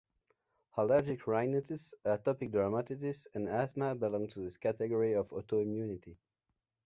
Allergic rhinitis, atopic dermatitis, and asthma belong to this category of autoimmunity.